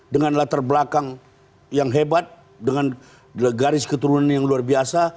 dengan latar belakang yang hebat dengan garis keturunan yang luar biasa